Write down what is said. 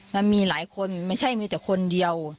มันมีหลายคนไม่ใช่มีแต่คนเดียว